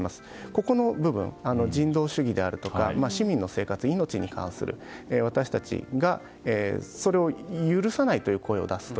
ここの部分、人道主義であるとか市民の生活、命に関して私たちがそれを許さないという声を出す。